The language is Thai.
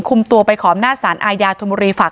คุมตัวไปขอมหน้าสารอายาธมรีฝาก